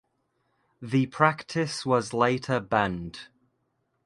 The practice was later banned.